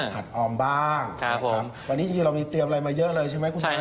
อัดออมบ้างวันนี้จริงเรามีเตรียมอะไรมาเยอะเลยใช่ไหมคุณชนะ